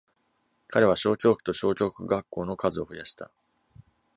彼は小教区と小教区学校の数を増やした。